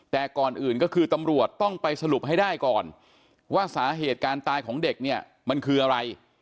แต่ก่อนอื่นก็คือตำรวจต้องไปสรุปให้ได้ก่อนว่าสาเหตุการณ์ตายของเด็กเนี่ยมันคืออะไร